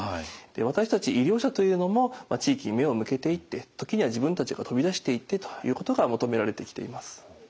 私たち医療者というのも地域に目を向けていって時には自分たちが飛び出していってということが求められてきています。